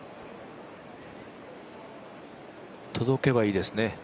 届けばいいですね。